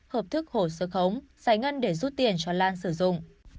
hợp thức hồ sơ khống giải ngân để rút tiền cho lan sử dụng